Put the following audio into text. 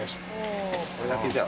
これだけじゃあ。